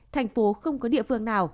tp không có địa phương nào